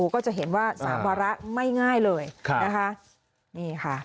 ก็จะเห็นว่า๓วาระไม่ง่ายเลยนะคะ